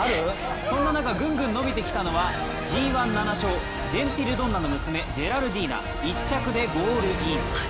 そんな中、ぐんぐん伸びてきたのはＧⅠ７勝、ジェンティルドンナの娘、ジェラルディーナ、１着でゴールイン。